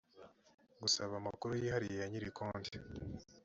gusaba amakuru yihariye ya nyiri konti